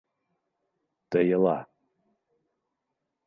Тыйыла